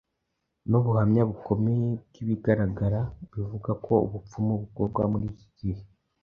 n’ubuhamya bukomeye bw’ibigaragara bivuga ko ubupfumu bukorwa muri iki gihe